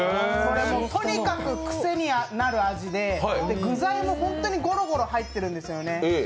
とにかく癖になる味で具材も本当にゴロゴロ入っているんですよね。